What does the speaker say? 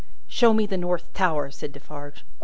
"Show me the North Tower!" said Defarge.